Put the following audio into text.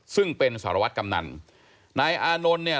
ซึ่งเป็นสารวัตรกำนันนายอานนท์เนี่ย